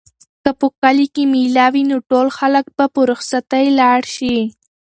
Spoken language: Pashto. که په کلي کې مېله وي نو ټول خلک به په رخصتۍ لاړ شي.